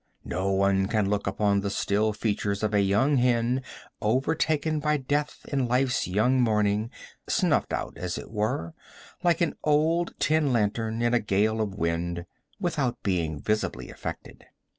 No one can look upon the still features of a young hen overtaken by death in life's young morning, snuffed out as it were, like an old tin lantern in a gale of wind, without being visibly affected.